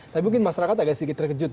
tapi mungkin masyarakat agak sedikit terkejut